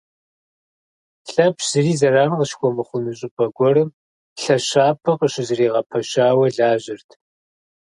Лъэпщ зыри зэран къыщыхуэмыхъуну щӏыпӏэ гуэрым лъэщапӏэ къыщызэригъэпэщауэ лажьэрт.